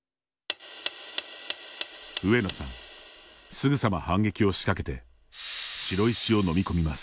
すぐさま反撃をしかけて白石を飲み込みます。